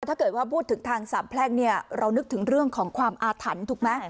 ถ้าเกิดว่าพูดถึงทางสามแพร่งเนี่ยเรานึกถึงเรื่องของความอาถรรพ์ถูกไหม